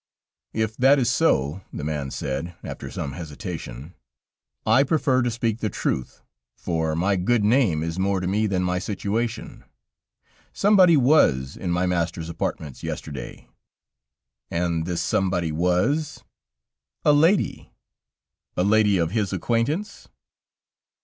"If that is so," the man said, after some hesitation, "I prefer to speak the truth, for my good name is more to me than my situation. Somebody was in my master's apartments yesterday." "And this somebody was...?" "A lady." "A lady of his acquaintance?"